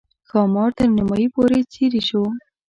ښامار تر نیمایي پورې څېرې شو.